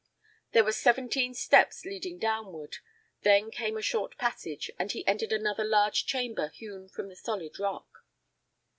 There were seventeen steps leading downward; then came a short passage, and he entered another large chamber hewn from the solid rock.